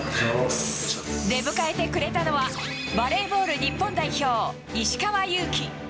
出迎えてくれたのは、バレーボール日本代表、石川祐希。